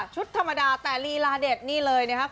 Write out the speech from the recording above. ธรรมดาแต่ลีลาเด็ดนี่เลยนะครับ